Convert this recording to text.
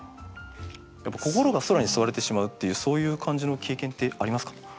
心が空に吸われてしまうっていうそういう感じの経験ってありますか？